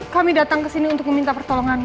kami datang kesini untuk meminta pertolonganmu